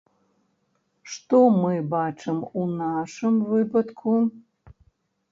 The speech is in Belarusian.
Што мы бачым у нашым выпадку?